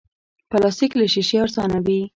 پلاستيک له شیشې ارزانه وي.